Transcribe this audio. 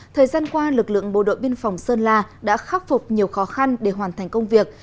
thời gian qua lực lượng bộ đội biên phòng sơn la đã khắc phục nhiều khó khăn để hoàn thành công việc